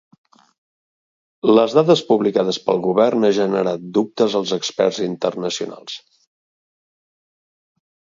Les dades publicades pel govern ha generat dubtes als experts internacionals.